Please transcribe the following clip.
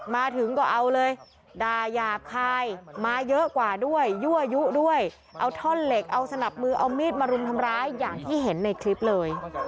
มาถึงก็เอาเลยด่ายาบคายมาเยอะกว่าด้วยยั่วยุด้วยเอาท่อนเหล็กเอาสนับมือเอามีดมารุมทำร้ายอย่างที่เห็นในคลิปเลย